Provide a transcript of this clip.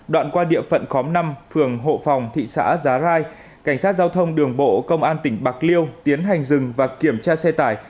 đoạn qua địa phận khóm năm phường hộ phòng thị xã giá rai cảnh sát giao thông đường bộ công an tỉnh bạc liêu tiến hành dừng và kiểm tra xe tải